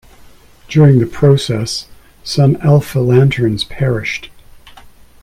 During the process some Alpha Lanterns perished.